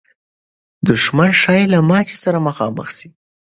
دښمن ښایي له ماتې سره مخامخ سي.